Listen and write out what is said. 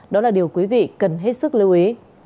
đó là điều quý vị cần hết sức lưu ý